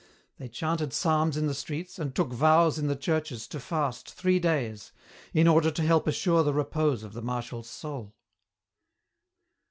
They chanted psalms in the streets and took vows in the churches to fast three days in order to help assure the repose of the Marshal's soul."